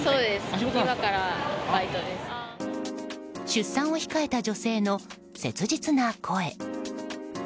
出産を控えた女性の切実な声。